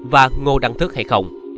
và ngô đăng thức hay không